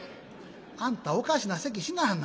「あんたおかしなせきしなはんな。